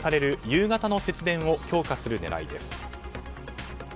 夕方の節電を強化する狙いです。